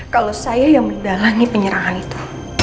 kalau saya yang mendalami penyerangan itu